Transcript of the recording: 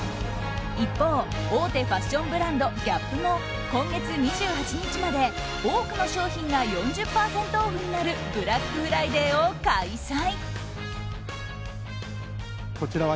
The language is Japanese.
一方、大手ファッションブランドＧＡＰも今月２８日まで多くの商品が４０％オフになるブラックフライデーを開催。